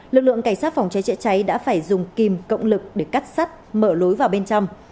lực lượng cảnh sát phòng cháy chữa cháy đã phải dùng kìm cộng lực để cắt sắt mở lối vào bên trong